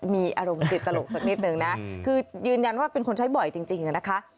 มีอารมณ์ติดตลกสักนิดนึงนะคือยืนยันว่าเป็นคนใช้บ่อยจริงนะคะ